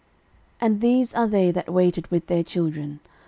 13:006:033 And these are they that waited with their children.